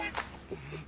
うん。